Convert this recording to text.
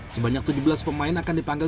sebanyak tujuh belas pemain akan dipanggil